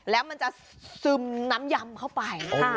แล้วมันจะซึมน้ำยำเข้าไป